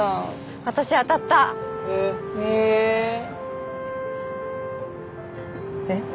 私当たったへえーへえーえっ？